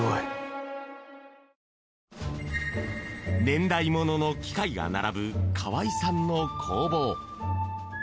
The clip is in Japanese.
年代物の機械が並ぶ河合さんの工房。